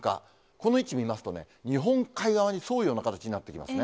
この位置見ますとね、日本海側に沿うような形になってきますね。